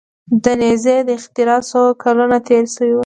د نیزې د اختراع څو کلونه تیر شوي وو.